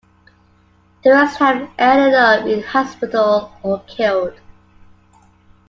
The rest have ended up in the hospital or killed.